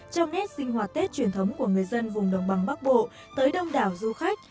trong nét sinh hoạt tết truyền thống của người dân vùng đồng bằng bắc bộ tới đông đảo du khách